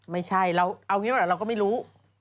ไม่ใช่เราเอางี้ว่าเราก็ไม่รู้